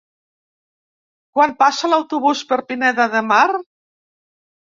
Quan passa l'autobús per Pineda de Mar?